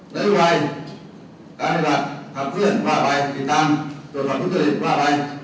นักอินวัยการอินวัยทางเพื่อนว่าไว้ติดตามตรวจสอบทุกตัวเองว่าไว้